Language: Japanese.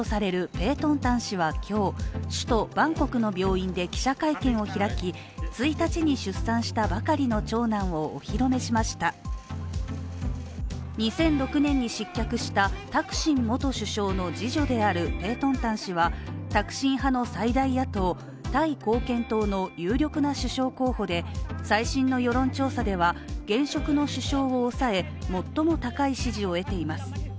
ペートンタン氏は今日、首都・バンコクの病院で記者会見を開き２００６年に失脚したタクシン元首相の次女であるペートンタン氏は、タクシン派の最大野党タイ貢献党の有力な首相候補で最新の世論調査では、現職の首相を抑え最も高い支持を得ています。